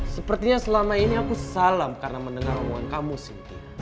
sepertinya selama ini aku salam karena mendengar omongan kamu sinti